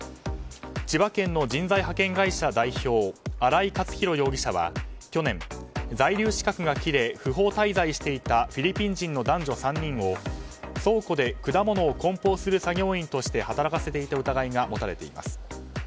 千葉県の人材派遣会社代表荒井克弘容疑者は去年、在留資格が切れ不法滞在していたフィリピン人の男女３人を倉庫で果物を梱包する作業員として働かせていた疑いが持たれています。